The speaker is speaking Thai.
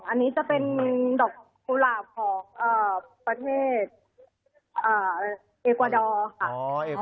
อันนี้จะเป็นดอกกุหลาบของประเทศเอกวาดอร์ค่ะ